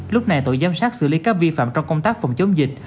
lúc này tổ giám sát xử lý các vi phạm trong công tác phòng chống dịch